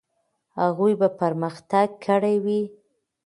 هغوی به پرمختګ کړی وي.